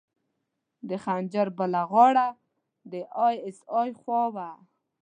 د خنجر بله غاړه د ای اس ای خوا وه.